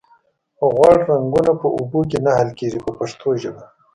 غوړ رنګونه په اوبو کې نه حل کیږي په پښتو ژبه.